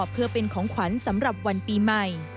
เพื่อเป็นของขวัญสำหรับวันปีใหม่